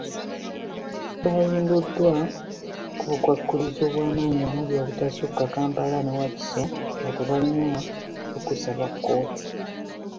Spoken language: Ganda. Bayimbudwa ku bukwakkulizo obwamaanyi omuli obutasukka Kampala ne Wakiso nga tebalina lukkusa lwa kkooti.